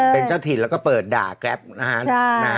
เป็นเจ้าถิ่นแล้วก็เปิดด่าแกรปนะฮะ